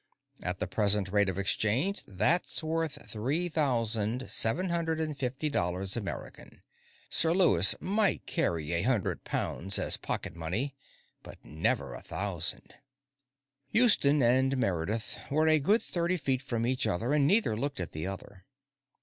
At the present rate of exchange, that's worth three thousand seven hundred and fifty dollars American. Sir Lewis might carry a hundred pounds as pocket money, but never a thousand." Houston and Meredith were a good thirty feet from each other, and neither looked at the other.